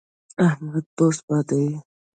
احمد بوس بادوي.